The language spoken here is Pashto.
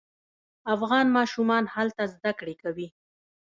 افغان ماشومان هلته زده کړې کوي.